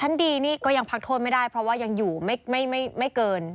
ชั้นดีนี่ก็ยังพักโทษไม่ได้เพราะว่ายังอยู่ไม่เกิน